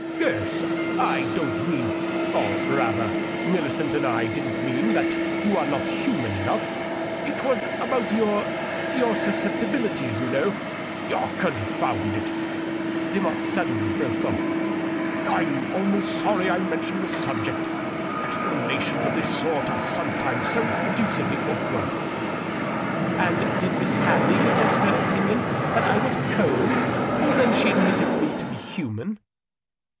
" Yes. I don't mean — or, rather, Millicent and I didn't mean — ^that you are not human enough. It was about your — ^your susceptibility, you know. — Confound it!" Demotte suddenly broke off, "Fm almost sorry I mentioned the subject ; explanations of this sort are sometimes so deucedly awkward." " And did Miss Hadley give it as her opinion that I was cold, although she admitted me to be human